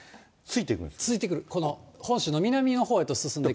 ついてくる、この本州の南のほうへと続いてくる。